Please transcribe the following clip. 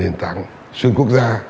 nền tảng xuyên quốc gia